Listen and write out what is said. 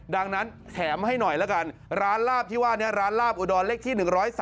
ดังนั้นแถมให้หน่อยละกันร้านลาบที่ว่านี้ร้านลาบอุดรเลขที่๑๐๓